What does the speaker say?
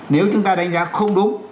nếu chúng ta đánh giá không đúng